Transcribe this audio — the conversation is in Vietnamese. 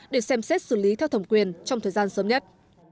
để xem xét xử lý theo thẩm quyền trong thời gian sớm nhất